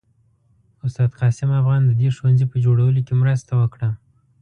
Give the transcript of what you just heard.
استاد قاسم افغان د دې ښوونځي په جوړولو کې مرسته وکړه.